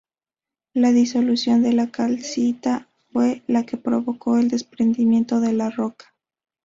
La disolución de la calcita fue la que provocó el desprendimiento de la roca.